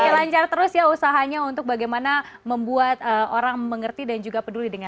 semoga lancar terus ya usahanya untuk bagaimana membuat orang mengerti dan juga memiliki kemampuan